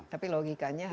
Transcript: tapi logikanya harusnya sama